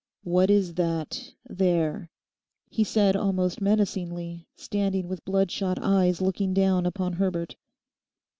'What is that—there?' he said almost menacingly, standing with bloodshot eyes looking down upon Herbert.